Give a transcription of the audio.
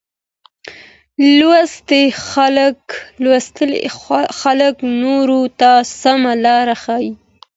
لوستي خلګ نورو ته سمه لار ښيي.